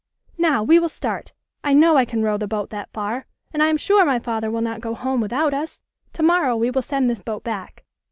"Now, we will start. I know I can row the boat that far, and I am sure my father will not go home without us. To morrow we will send this boat back."